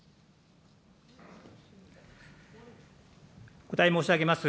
お答え申し上げます。